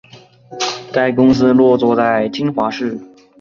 该公司坐落在金华市。